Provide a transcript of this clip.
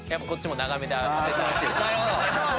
なるほど。